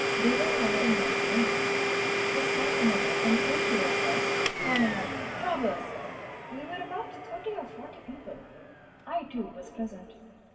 They were riding on ponies. They saw , some of us and came towards us calling out '' robbers'; we were about 30 or 40 people. I too was present.